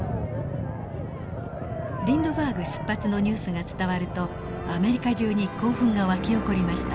リンドバーグ出発のニュースが伝わるとアメリカ中に興奮が沸き起こりました。